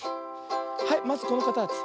はいまずこのかたち。